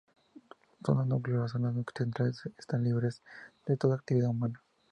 Zona núcleo: Las zonas centrales están libres de toda actividad humana.